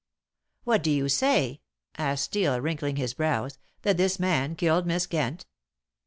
"What do you say," asked Steel, wrinkling his brows, "that this man killed Miss Kent?"